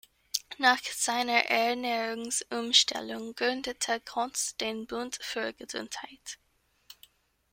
Nach seiner Ernährungsumstellung gründete Konz den Bund für Gesundheit.